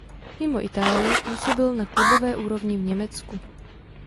Mimo Itálii působil na klubové úrovni v Německu.